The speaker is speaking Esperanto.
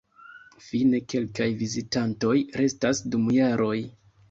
Fine, kelkaj "vizitantoj" restas dum jaroj.